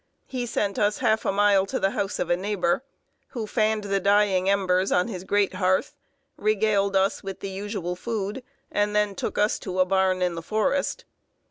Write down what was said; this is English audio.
He sent us half a mile to the house of a neighbor, who fanned the dying embers on his great hearth, regaled us with the usual food, and then took us to a barn in the forest.